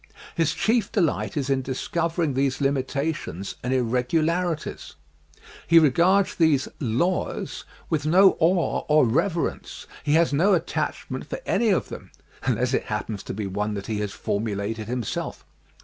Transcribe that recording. His chief delight is in discovering these limitations and irregularities. He regards these " laws " with no awe or reverence. He has no attachment for any of them — unless it happens to be one that he has formulated himself.